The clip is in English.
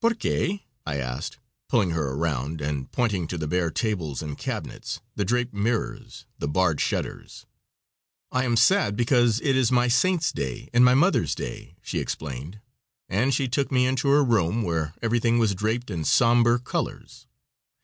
"Porque?" I asked, pulling her around, and pointing to the bare tables and cabinets, the draped mirrors, the barred shutters. "I am sad because it is my saint's day and my mother's day," she explained, and she took me into her room, where everything was draped in somber colors.